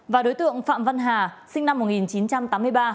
và đối tượng phạm văn hà sinh năm một nghìn chín trăm tám mươi ba